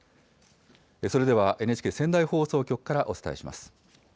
それではＮＨＫ仙台放送局からお伝えします。